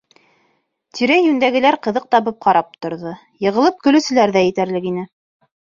Тирә-йүндәгеләр ҡыҙыҡ табып ҡарап торҙо, йығылып көлөүселәр ҙә етерлек ине.